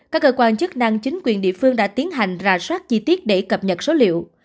các cơ quan chức năng chính quyền địa phương đã tiến hành rà soát chi tiết để cập nhật số liệu